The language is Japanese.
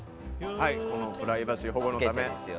プライバシー保護のため。